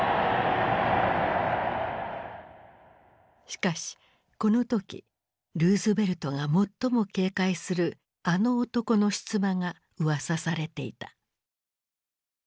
しかしこの時ルーズベルトが最も警戒するあの男の出馬がうわさされていた。